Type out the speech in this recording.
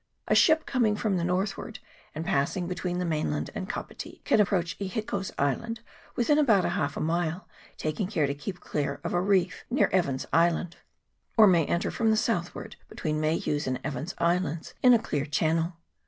A ship coming from the north ward, and passing between the mainland and Kapiti, can approach E Hiko's Island within about half a mile, taking care to keep clear of a reef near Evans's Island ; or may enter from the southward between Mayhew's and Evans's Islands in a clear channel.